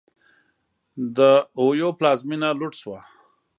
د اویو پلازمېنه لوټ شوه.